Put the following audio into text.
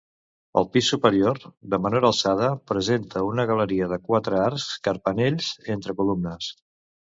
El pis superior, de menor alçada, presenta una galeria de quatre arcs carpanells entre columnes.